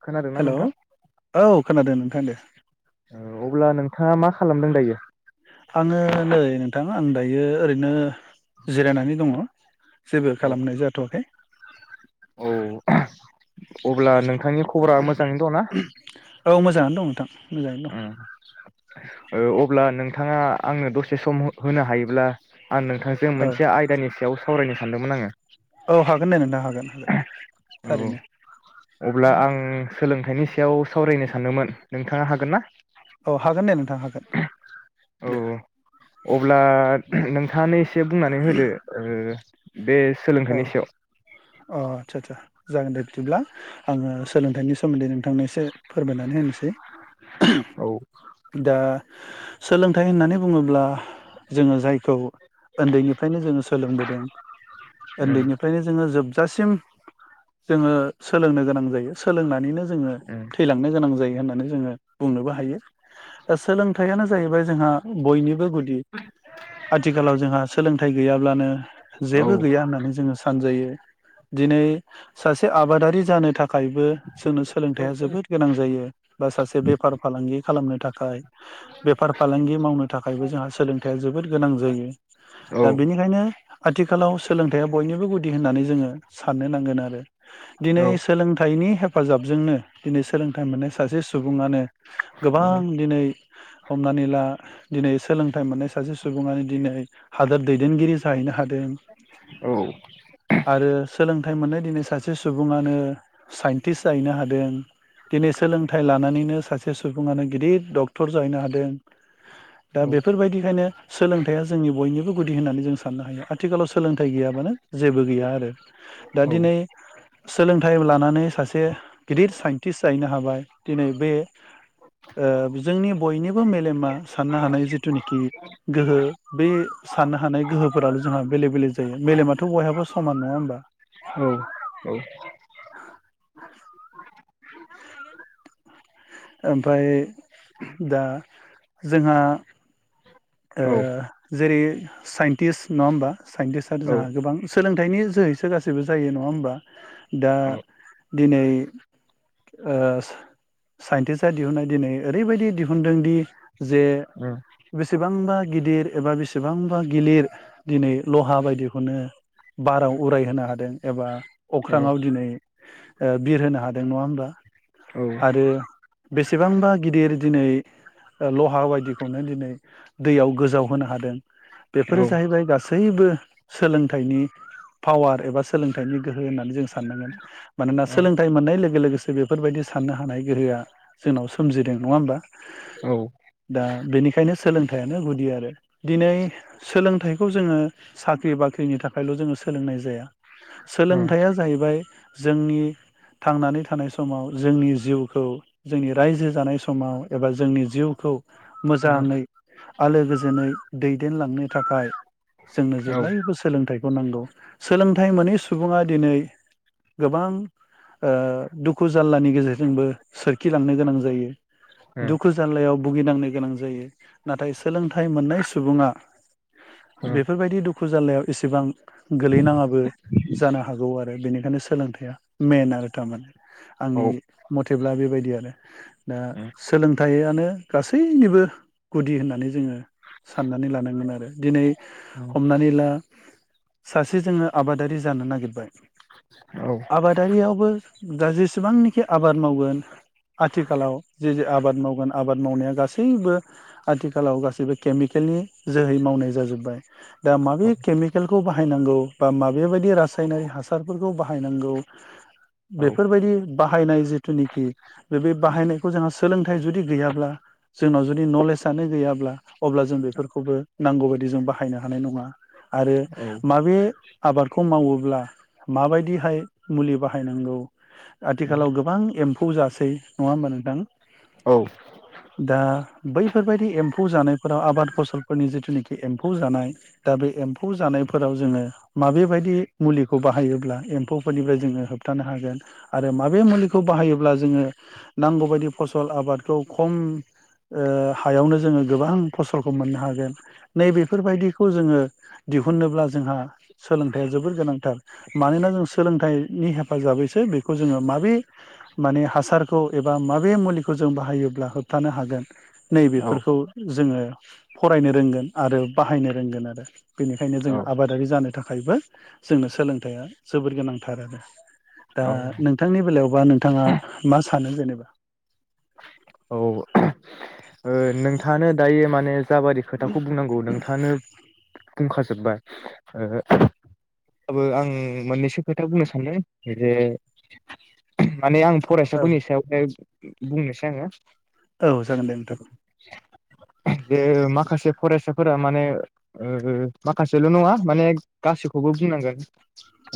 [inaudible] खोनादोंना हेलौ नोंथां। औ खोनादों नोंथाङा दे। औ अब्ला नोंथाङा मा खालामदों दायो। आङो नै नोंथां आं दायो ओरैनो जिरायनानै दङ जेबो औ खालामनाय जाथ'वाखै औ। अब्ला नोंथांनि खबरा मोजाङैनो दं ना दंथां। अब्ला नों। नोंथाङा आंनो दसे सम होनो हायोब्ला। आं नोंथांजों औ मोनसे आयदानि सायाव स सावरायनो सानदोंमोन आङो। औ हागोन दे नोंथां हागोन हागोन औ थारैनो। बिनि सायाव सावरायनो सानदोंमोन नोंथाङा हाग हागोन ना औ हागोन दे नोंथां हागोन औ दे अब्ला नोंथांनि एसे बुंनानै होदो ओ बे औ सोलोंथाइनि सायाव अ आदसासा जागोन दे बिदिब्ला आङो सोलोंथाइनि सोमोन्दै नोंथांनो एसे फोरमायनानै होनोसै। औ दा सोलोंथाइ होननानै बुङोब्ला जोङो जायखौ ओन्दैनिफ्रायनो जोङो सोलोंबोदों उम ओन्दैनिफ्रायनो जोङो जोब दासिम जोङो सोलोंनो गोनां जायो सोलोंनानैनो जों जोङो उम थैलांनो गोनां जायो होननानै जोङो बुंनोबो हायो ओ सोलोंथाइयानो जाहैबाय जोंहा बयनि बो गुदि आथिखालाव जोंहा सोलोंथाइ गैयाब्लानो औ जेबो गैया होननानै जोङो सानजायो। दिनै सासे आबादारि जानो था खायबो सोनो सोलोंथाइया जोबोद गोनां जायो बा सासे बेफार फालांगि खालामनो थाखाय बेफार फालांगि मावनो थाखायबो जोंहा सोलोंथाइया जोबोद गोनां जायो औ दा बेनिखायनो आथिखालाव सोलोंथाइया बयनिबो गुदि दि होननानै जोङो साननो नांगोन आरो औ दिनै सोलोंथाइनि हेफाजाबजोंनो दिनै सोलोंथाइ मोननाय सासे सु सुबुङानो गोबां दिनै हमनानै ला दिनै सोलोंथाइ मोननाय सासे सुबुङानो दिनै हादोर दैदेनगिरि जाहैनो हादों औ आरो सोलोंथा थाइ मोनाय दिनै सासे सुबुङानो साइनटिस जायैनो हादों दिनै सोंलोंथाइ लानानैनो सासे सु सुबुङानो गिदिर डक्ट टर जायैनो हादों दा औ बेफोरबायदिखायनो सोलोंथाइया जोंनि बयनिबो गुदि होननानै जों साननो हायो आथिखालाव सोलोंथाइ गैयाबानो जेबो गैया आरो दा औ दिनै सोलोंथाइ लानानै सासे गिदिर साइन्टिस जायैनो हाबाय। दिनै बे जोंनि बयनिबो मेलेमा साननो हानाय जिथुनिखि गोहो बे साननो हानाय गोहोफोराल' जोंहा बेले बेलेग जायो मेलेमाथ' बयहाबो समान नङा होमबा। औ [inaudible] ओमफाय दा जोंहा ओ औ जेरै सायेन्टिस नङा होमबा सायेन्टिस [unintelligible] औ जोंहा गोबां सोलों थाइनि जोहैसो गासैबो जायो नङा होमबा दा औ दिनै ओस सायेन्टिस्टआ दिहुननाय दिनै ओरैबायदि दिहुनदों दि जे औ बेसेबांबा गिदिर एबा बेसेबांबा गिलिर दिनै लहा बायदिखौनो बाराव उरायहोनो हादों एबा औ अख्राङाव दिनै ओ बिर होनो हादों नङा होमबा औ आरो बेसेबांबा गिदिर दिनै ओ लहा बायदिखौनो दिनै दैयाव गोजाव होनो हादों औ बेफोर जाहैबाय गासै गासैबो सोलोंथाइनि पावार एब सोलों दानि गो होननानै जों साननांगोन मानोना औ सोलोंथाइ मोननाय लोगो लोगो बेफोरबायदि साननो हानाय गोहोआ जोंनाव सोमजिदों नङा होमबा ओ दा बेनिखायनो सोलोंथायानो गुदि आरो दिनै सोलों थाइखौ जोङो साख्रि बाख्रिनि थाखायल' जोङो सोलोंनाय जाया ओ सोलोंथाया जाहैबाय जोंनि थांनानै थानाय समाव जोंनि जिउखौ जोंनि रायजो जानाय समाव एबा जोंनि जिउखौ औ मोजाङै आलो गोजोनै दैदेनलांनो थाखाय जोंनो जेब्लायबो सोलोंथाइ अ नंगौ सोलोंथाइ मोनै सुबुङा दिनै गोबां ओ दुखु जारलानि गेजेरजोंबो सोर खिलांनो गोनां जायो दुखु जारलायाव भुगिनांनो गोनां जायो नाथाय सोलोंथाइ मोननाय सुबुङा बेफोरबायदि दुखु जाल्लायाव बेसेबां गोलैनाङाबो जानो हागौ आरो बेनि बेखायनो सोलोंथाइया मेन आरो तारमाने। आंनि मथेब्ला बेबायदि दा सोलोंथाइ थाइयोयानो गासैनिबो गुदि होननानै जोङो साननानै लानांगोन आरो दिनै हमनानै ला। सासे जोङो आबादारि जानो नागिरबाय। ओ आबादारियावबो। दा जेसेबांनोखि आबाद मावगोन। आथिखालाव जेजो आबाद मावगोन आबाद मावनाया गासैबो आथिखालाव गासैबो केमिकेलनि जोहै मावनाय जाजोब्बाय। दा माबे केमिकेल। खौ बाहायनांगौ बा माबे बायदि रासायनारि हासारफोरखौ बाहायनांगौ। बेफोरबायदि बाहायनाय जिथुनिखि। बे बे बाहायनायखौ जोंस सोलोंथाइ जुदि गैयाब्ला जोंनाव जुदि नलेजयानो गैयाब्ला। अब्ला जों बेफोरखौबो। नांगौबायदि जों बाहायनो हानाय नङा। आरो माबे। आबादखौ मावोब्ला माबायदिहाय मुलि बाहायनांगौ। आथिखालाव गोबां एम फौ जासै नङा होमबा नोंथां? ओ औ ओ दा बैफोरबायदि एम्फौ जानायफोराव आबाद फसलफोरनि जिथुनिखि। बे एम्फौ जानाय दा बे एम्फौ जानायफोराव जोङो माबे बायदि मुलिखौ बाहायोब्ला एम्फौफोरनिफ्राय जोङो होबथानो हागोन आरो माबे मुलिखौ बाहायो ब्ला जोङो नांगौबायदि फसल आबादखौ खम ओ हायावनो जोङो गोबां फसलखौ मोननो हागोन नैबेफोरबायदिखौ जोङो दिहुनोब्ला जोंहा सोलोंथाइया जोबोर गोनांथार मानोना जों सोलोंथाइ नि हेफाजाबैसो बेखौ जोङो माबे माने हासारखौ एबा माबे मुलिखौ जों बाहायोब्ला होबथानो हागोन। औ नैबेफोरखौ जोङो। फरायनो रोंगोन आरो बाहायनो रोंगोन आरो। बेनिखायनो औ जोङो आबादारि जानो थाख खायबो जोंनो सोलोंथाइया जोबोर गोनांथार आरो दा औ नोंथांनि बेलायावब बानो थाङा मा सानो जेनेबा। औ ओ नोंथाङानो दायो माने जाबादि खोथाखौ बुंनांगौ नोंथाङानो बुंखाजोबबाय ओ ब्लाबो आं मोननैसो खोथा बुंनो सानदों जे माने आं औ फरायसाफोरनि सायावहाय। बुंनोसै आङो। औ जागोन दे नोंथां। बेे माखासे फरायसाफोरा माने ओ माखासेल' नङा माने गासैखौबो बुंनांगोन।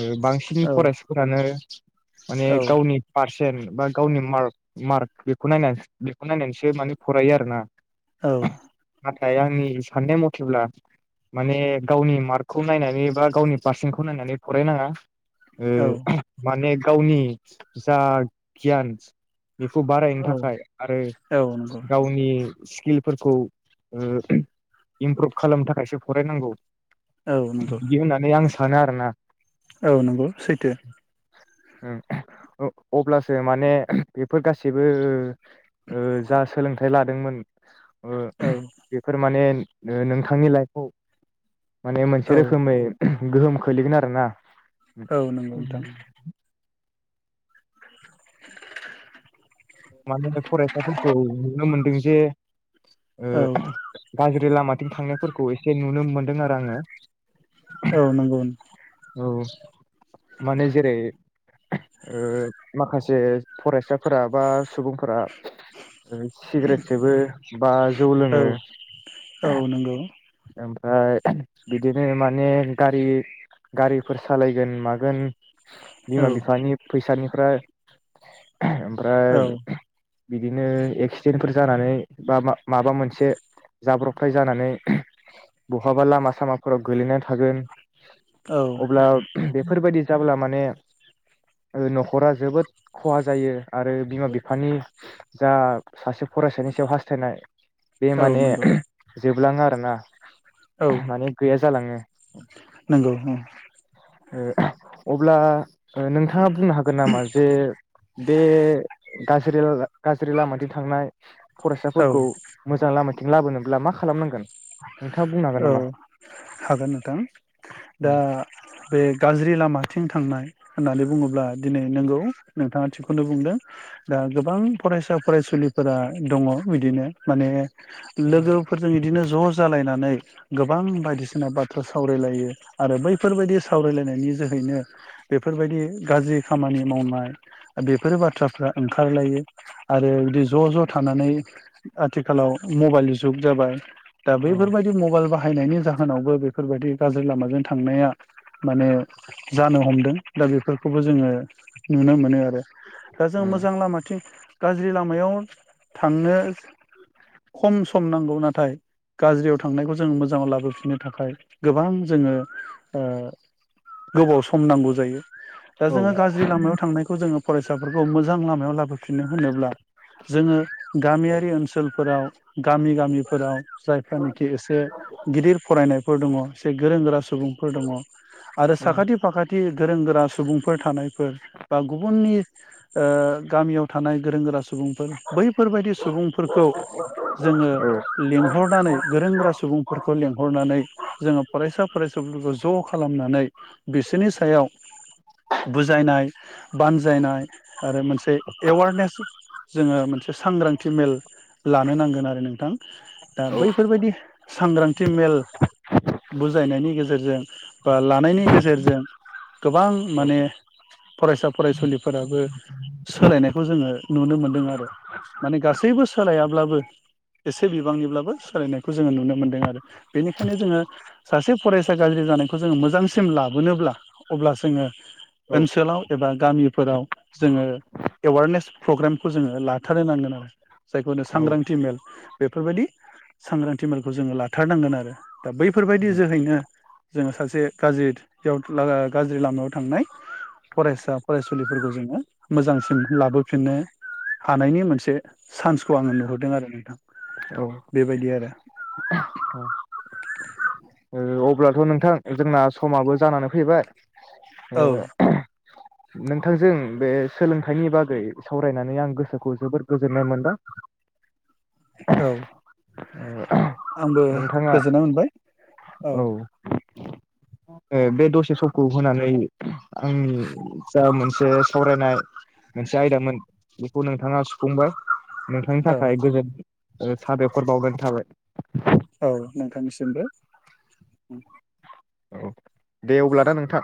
ओ बांसिन औ फरायसाफोरानो। [inaudible] माने औ गावनि फार [unintelligible] बा गावनि मार्क मार बेखौ नायनानैसो बेखौ नायनानैसो माने फरायो आरो ना। औ। थाय आंनि साननाय मथेब्ला माने गावनि मार्कखौ नायनानै बा गावनि पारसेन्टखौ नायनानै फरायनाङा। ओ औ माने गावनि जा गियान। बेखौ बारायनो थाखाय। औ औ ओ नंगौ गावनि। स्किलफोरखौ ओ इमप्रुभ खालामनो थाखायसो फरायनांगौ। औ नंगौ बिदि होननानै आं सा सानो आरोना। औ नंगौ सैथो। उम अ-अब्लासो माने बेफोर गासिबो। ओ जा सोलों थाइ लादोंमोन। ओ औ बेफोर माने। ओ नोंथांनि लाइफआव। माने मोनसे औ रोखोमै। गोहोम खोलैगोन आरोना। औ नंगौ नोंथां। माने फरायसाफोरखौ नुनो मोनदों जे ओ औ गाज्रिलामा थिं थांनायफोरखौ एसे नुनो मोनदों आरो आङो औ नंगौ। औ माने जेरै ओ माखासे फरायसाफोरा बा सुबुंफोरा सिगारेट सोबो बा जौ औ लोङो औ नंगौ ओम फ्राय बिदिनो माने गारि गारिफोर सालायगोन मागोन औ बिमा बिफानि फैसानि [unintelligible] ओमफ्राय औ बिदिनो एक्सिडेन्टफोर जानानै बा माबा मोनसे जाब्रबथाय जानानै बहाबा लामा सामाफोराव गोलैनानै थागोन। औ अब्ला बेफोरबायदि जाब्ला माने माने ओ न'खरा जोबोद खहा जायो। आरो बिमा बि बिफानि जा सासे फरायसानि सायाव हास्थायनाय बे औ माने नंगौ जोब लाङो आरोना औ माने गैया जालाङो नंगौ। ओ अब्ला नोंथाङा बुंनो हागोन नामा जे बे गाज्रि गाज्रि लामाथिं थांनाय औ फरायसाफोरखौ मोजां लामाथिं लाबोनो अब्ला मा खालामनांगोन? नोंथाङा बुंनो हागोन औ नामा हागोन नोंथां दा ओ बे गाज्रि लामाथिं थांनाय होननानै बुङोब्ला दिनै नंगौ नोंथाङा थिगखौनो बुंदों दा गोबां फरायसा फरायसुलिफोरा दङ बिदिनो माने लोगोफोरजों बिदिनो ज' ज' नानै गोबां बायदिसिना बाथ्रा सावरायलायो आरो बैफोरबायदि सावरायलायनायनि जोहैनो बेफोरबायदि गाज्रि खामानि मावनाय बेफोर बाथ्राफ्रा ओंखारलायो आरो बिदि ज‌' ज' थानानै आथिखालाव मबाइलनि जुग जाबाय। दा बैफोरबायदि मबाइल बा बाहायनायनि जाहोनावबो बेफोरबायदि गाज्रि लामाजों थांनाया माने जानो हमदों दा बेफोरखौबो जोङो नुनो मोनो आरो। दा जों मोजां लामाथिं गाज्रि लामायाव थांनो खम सम सम नांगौ नाथाय गाज्रियाव थांनायखौ जोङो मोजाङाव लाबोफिननो थाखाय गोबां जोङो ओ गोबाव सम नांगौ जायो दा जोङो गाज्रि लामायाव थांनायखौ जोङो फरायसाफोरखौ मोजां लामायाव लाबोफिननो होनोब्ला जोङो गामियारि ओनसोलफोराव गामि गामिफोराव जाय जानाखि एसे गिदिर फरायनाय फोर दङ एसे गोरों गोरा सुबुंफोर दङ आरो साखाथि फाखाथि गोरों गोरा सुबुंफोर थानायफोर बा गुबुननि ओ गामियाव थानाय गोरों गोरा सु सुबुंफोर बैफोरबायदि सुबुंफोरखौ जोङो लिंहरनानै सोंग्रा सुबुंफोरखौ लेंहरनानै जोङो फराय सा फरायसुलिफोरखौ ज खालामनानै बिसोरनि सायाव बुजायनाय बानजायनाय आरो मोनसे एवारनेस जोङो मोनसे सांग्रांथि मेल लानो नांगोन आरो नोंथां दा बै अब्लाथ' सांग्रांथि मेल बुजायनायनि गेजेरजों जों बा लानायनि गेजेरजों गोबां माने फरायसा फरायसुलिफोराबो सोलायनायखौ जोङो नुनो मोनदों आरो माने गासैबो सोलायाब्लाबो एसे बिबांनिब्लाबो सोलायनायखौ जोङो नुनो मोनदों आरो बेनिखायनो जोङो सासे फरायसा गाज्रि जानायखौ जोङो मोजांसिम लाबोनोब्ला अब्ला जोङो ओनसोलाव एबा गामिफोराव जोङो एवारनेस प्रग्रामखौ जोङो लाथारनो नांगोन आरो जायखौ होनो सांग्रांथि मेल बेफोरबायदि सांग्रांथि मेलखौ जोङो लाथारनांगोन आरो दा बैफोरबायदि जोहैनो जोङो सासे गाज्रियाव गाज्रि लामायाव थांनाय फरायसा फरायसुलिफोरखौ जोङो मोजांसिन लाबोफिननो हानायनि मोनसे चान्सखौ आङो नुहरदों आरो नोंथां। बेबायदि आरो ओ अब्लाथ' नोंथां जोंना समाबो जानानै फैबाय। औ ओ नोंथांजों बे सोलोंथाइनि बागै सावरायनानै आं गोसोखौ जोबोर गोजोननाय मोनदों। औ ओ आंबो नोंथाङा गोजोननाय मोनबाय। औ ओ बे दसे समखौ होनानै आंनि जा मोनसे सावरायनाय मोनसे आयदामोन बेखौ नोंथाङा सुफुंबाय नोंथांनि औ थाखाय गोजोन ओ साबेखर बावनान थाबाय। औ नोंथांनिसिमबो। औ दे अब्ला दा नोंथां।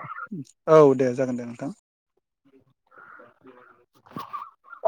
औ दे जागोन दे नोंथां [inaudible]